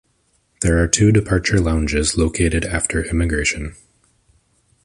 There are two departure lounges located after Immigration.